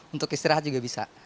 untuk istirahat juga bisa